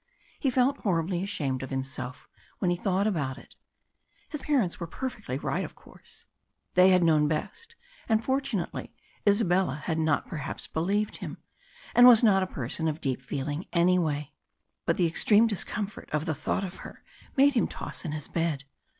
He felt horribly ashamed of himself when he thought about it. His parents were perfectly right, of course; they had known best, and fortunately Isabella had not perhaps believed him, and was not a person of deep feeling anyway. But the extreme discomfort of the thought of her made him toss in his bed.